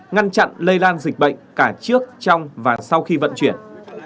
ngăn chặn lây lan dịch bệnh cả trước trong và sau khi vận chuyển